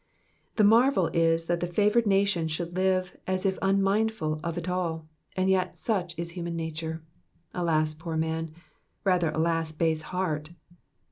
The marvel is that the favoured nation should live as if unmindful of it all, and yet such is human nature. Alas, poor man ! Rather, alas, base heart